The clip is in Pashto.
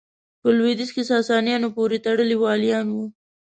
په لوېدیځ کې ساسانیانو پوره تړلي والیان وو.